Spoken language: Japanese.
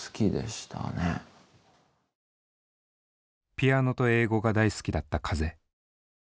ピアノと英語が大好きだった風。